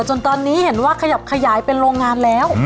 จนตอนนี้เห็นว่าขยับขยายเป็นโรงงานแล้ว